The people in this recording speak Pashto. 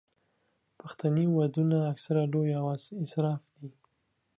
پښتني ودونه اکثره لوی او اسراف دي.